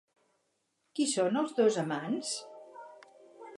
Qui són els dos amants?